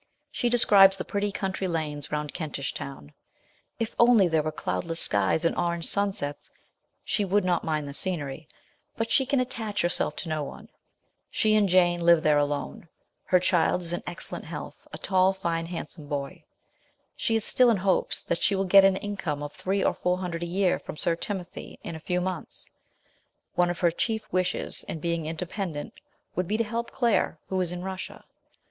She describes the pretty country lanes round Kentish Town. If only there were cloudless skies and orange sunsets, she would not mind the scenery ; but she can attach herself to no one. She and Jane live alone ; her child is in excellent health, a WIDOWHOOD. 179 tall, fine, handsome boy. She is still in hopes that she will get an income of three or four hundred a year from Sir Timothy in a few months ; one of her chief wishes in being independent would be to help Claire, who is in Russia.